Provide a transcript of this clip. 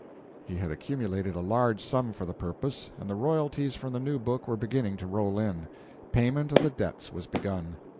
He had accumulated a large sum for the purpose, and the royalties from the new book were beginning to roll in. Payment of the debts was begun.